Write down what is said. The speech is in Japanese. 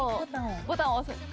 ボタンを押す。